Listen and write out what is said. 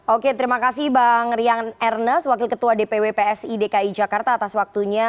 oke terima kasih bang rian ernest wakil ketua dpw psi dki jakarta atas waktunya